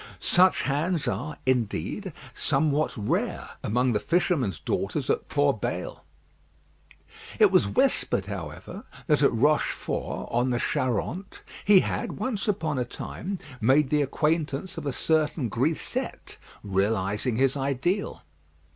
Such hands are, indeed, somewhat rare among the fishermen's daughters at Portbail. It was whispered, however, that at Rochefort, on the Charente, he had, once upon a time, made the acquaintance of a certain grisette, realising his ideal.